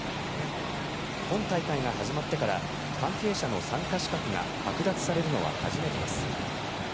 今大会が始まってから関係者の参加資格がはく奪されるのは初めてです。